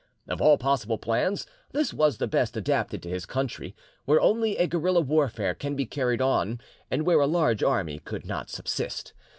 Of all possible plans this was the best adapted to his country, where only a guerilla warfare can be carried on, and where a large army could not subsist.